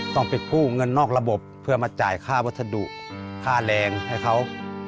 ต้องไปกู้เงินนอกระบบเพื่อมาจ่ายค่าวัสดุค่าแรงให้เขา